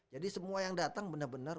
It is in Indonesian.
jadi semua yang datang benar benar